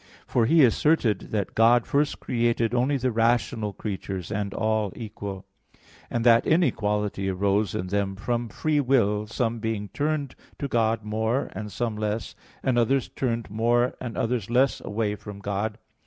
For he asserted that God first created only the rational creatures and all equal; and that inequality arose in them from free will, some being turned to God more and some less, and others turned more and others less away from God.